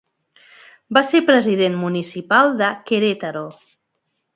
Va ser president Municipal de Querétaro.